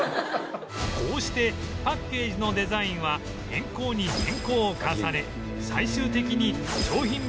こうしてパッケージのデザインは変更に変更を重ね最終的に商品名は８１文字に